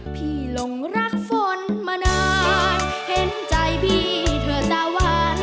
หลงรักฝนมานานเห็นใจพี่เถอะตาวัน